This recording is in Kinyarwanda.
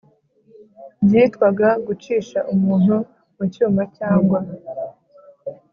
byitwaga gucisha umuntu mu cyuma cyangwa